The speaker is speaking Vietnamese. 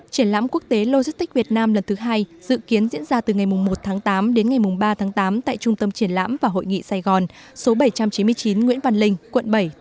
triển lãm quốc tế logistics việt nam lần thứ hai dự kiến diễn ra từ ngày một tháng tám đến ngày ba tháng tám tại trung tâm triển lãm và hội nghị sài gòn số bảy trăm chín mươi chín nguyễn văn linh quận bảy